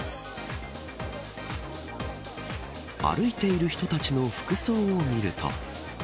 歩いている人たちの服装を見ると。